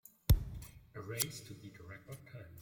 A race to beat a record time